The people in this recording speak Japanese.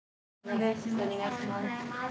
お願いします。